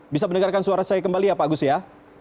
bisa mendengarkan suara saya kembali ya pak agus ya